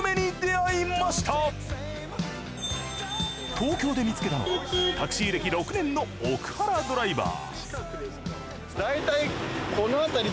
東京で見つけたのはタクシー歴６年の奥原ドライバー。